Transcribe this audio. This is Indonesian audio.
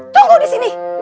tunggu di sini